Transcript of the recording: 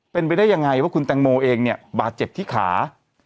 เป็นไปได้ยังไงว่าคุณแตงโมเองเนี่ยบาดเจ็บที่ขา